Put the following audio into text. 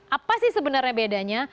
apa sih sebenarnya bedanya